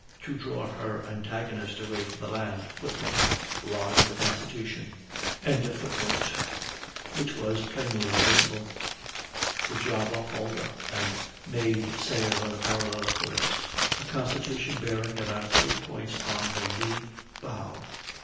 to draw her antagonist away from the land, [Footnote: Log of the Constitution.] which was plainly visible. The Java hauled up, and made sail in a parallel course, the Constitution bearing about three points on her lee bow.